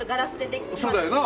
そうだよな！